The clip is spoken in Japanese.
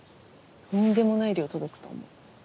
とんでもない量届くと思う。